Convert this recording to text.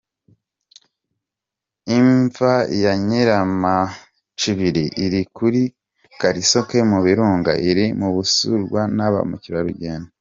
Imva ya Nyiramacibiri iri kuri Kalisoke mu birunga, iri mu bisurwa na ba mukerarugendo.